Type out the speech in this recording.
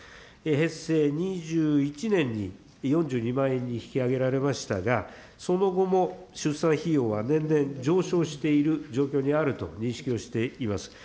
平成２１年に４２万円に引き上げられましたが、その後も出産費用は年々上昇している状況にあると認識をしています。